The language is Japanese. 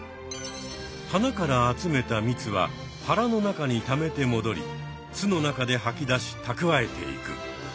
花から集めた蜜ははらの中にためてもどり巣の中で吐き出したくわえていく。